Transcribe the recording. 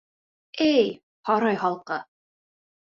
— Эй, һарай халҡы!